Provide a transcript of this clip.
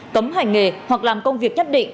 cấm hành nghề hoặc làm công việc nhất định